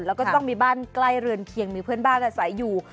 แล้วก็ต้องมีบ้านใกล้เรือนเคียงมีเพื่อนบ้านอาศัยอยู่